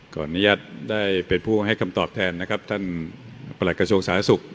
ขออนุญาตได้เป็นผู้ให้คำตอบแทนนะครับท่านประหลักกระทรวงสาธารณสุข